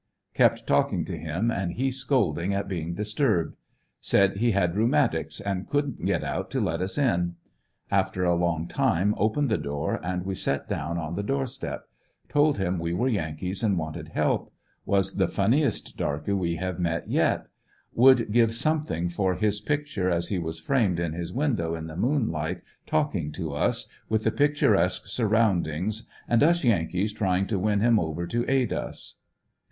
" Kept talking to him and he scolding at be ing disturbed. Said he had rheumatics and couldn't get out to let us in. After a long time opened the door and we set down on the door step. Told him we were yankees and wanted help. Was the funniest darky we have met yet. Would give something for his picture as he was framed in his window in the moonlight talking to us, with the picturesque surroundings, and us yankees trying to win him over to aid us.